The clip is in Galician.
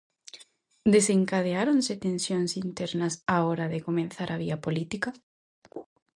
Desencadeáronse tensións internas á hora de comezar á vía política?